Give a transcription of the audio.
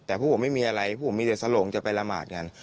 แต่พวกผมไม่มีอะไรพวกผมมีแต่สลงจะไปละหมาดกัน